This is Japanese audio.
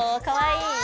かわいい？